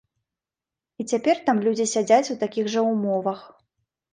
І цяпер там людзі сядзяць у такіх жа ўмовах.